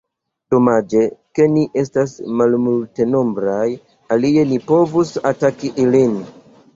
Domaĝe, ke ni estas malmultenombraj, alie ni povus ataki ilin!